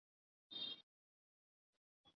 vita ilipiganwa chini ya uongozi wa chifu mkwawa